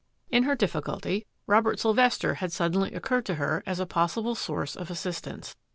In her difficulty Robert Sylvester had suddenly occurred to her as a possible source of assistance.